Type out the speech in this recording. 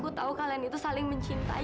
aku tahu kalian itu saling mencintai